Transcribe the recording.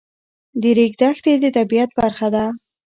د ریګ دښتې د طبیعت برخه ده.